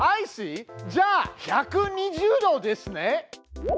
じゃあ１２０度ですね！